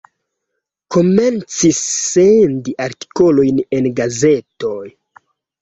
Komencis sendi artikolojn en gazetoj.